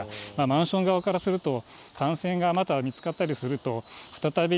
マンション側からすると、感染がまた見つかったりすると、再び、